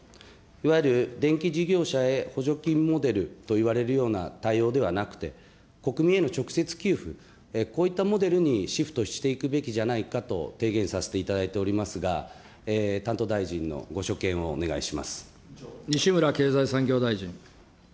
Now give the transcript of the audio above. いわゆる電気事業者へ補助金モデルといわれるような対応ではなくて、国民への直接給付、こういったモデルにシフトしていくべきじゃないかと提言させていただいておりますが、西村経済産業大臣。